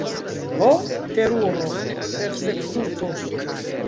ho, teruro: persekuto!